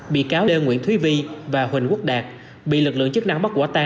bị cáo lê nguyễn thúy vi và huỳnh quốc đạt bị lực lượng chức năng bắt quả tai